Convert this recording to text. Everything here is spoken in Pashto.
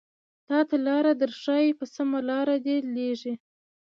تاته لاره درښايې په سمه لاره دې ليږي